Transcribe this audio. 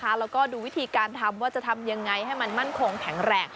แล้วก็ดูวิธีการทำว่าจะทำยังไงให้มันมั่นคงแข็งแรง